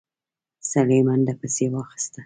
سړي منډه پسې واخيسته.